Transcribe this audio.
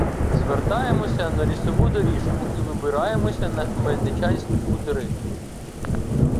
Звертаємо на лісову доріжку і вибираємося на Мельничанські хутори.